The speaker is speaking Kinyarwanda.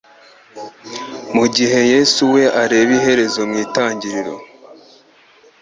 mu gihe Yesu we arebera iherezo mu itarigiriro.